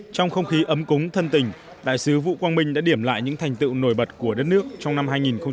trong không khí ấm cúng thân tình đại sứ vũ quang minh đã điểm lại những thành tựu nổi bật của đất nước trong năm hai nghìn một mươi tám